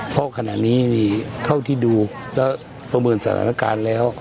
เพราะขณะนี้เท่าที่ดูแล้วประเมินสถานการณ์แล้ว